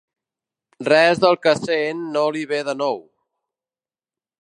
Res del que sent no li ve de nou.